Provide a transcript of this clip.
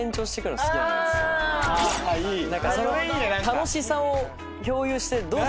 楽しさを共有してどうする？